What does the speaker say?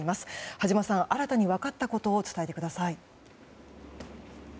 羽島さん、新たに分かったことを伝えてください。